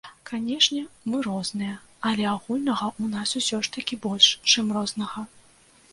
Канешне, мы розныя, але агульнага ў нас усё ж такі больш, чым рознага.